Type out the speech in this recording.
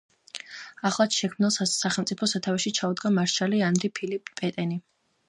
ახლად შექმნილ სახელმწიფოს სათავეში ჩაუდგა მარშალი ანრი ფილიპ პეტენი.